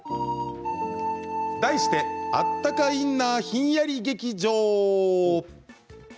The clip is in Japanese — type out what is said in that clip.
題してあったかインナーひんやり劇場。